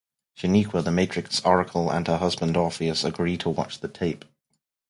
Shaneequa, the Matrix Oracle, and her husband Orpheus agree to watch the tape.